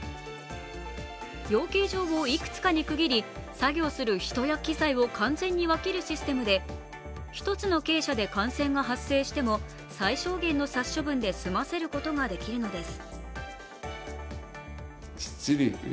養鶏場をいくつかに区切り、作業する人や機材を完全に分けるシステムで、１つの鶏舎で感染が発生しても、最小限の殺処分で済ませることができるのです。